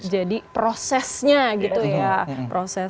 jadi prosesnya gitu ya